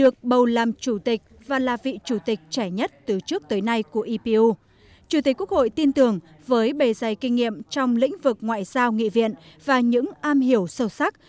chủ tịch quốc hội tin tưởng với bề dày kinh nghiệm trong lĩnh vực ngoại giao nghị viện và những am hiểu sâu sắc